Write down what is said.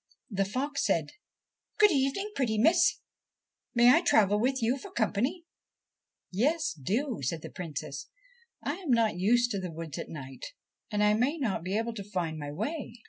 The fox said, 'Good evening, pretty Princess. May I travel with you for company ?'' Yes, do,' said the Princess. ' I am not used to the woods at night, and I may not be able to find my way.'